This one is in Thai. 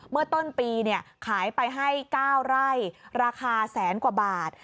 เมื่อต้นปีขายไปให้๙ไร่ราคาแสนกว่าบาท